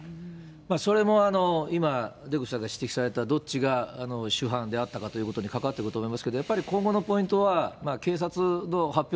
それも今、出口さんが指摘された、どっちが主犯であったかということに関わってくると思いますけど、やっぱり今後のポイントは、警察の発表